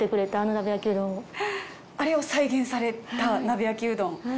あれを再現された鍋焼きうどん。